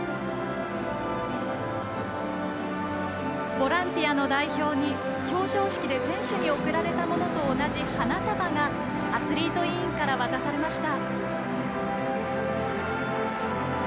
ボランティアの代表に表彰式で選手に贈られたものと同じ花束がアスリート委員から渡されました。